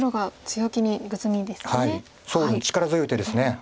力強い手です。